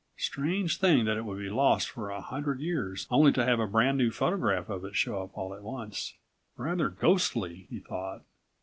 Strange thing that it would be lost for a hundred years only to have a brand new photograph of it show up all at once. Rather ghostly, he thought.